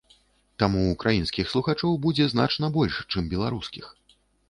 Таму ўкраінскіх слухачоў будзе значна больш, чым беларускіх.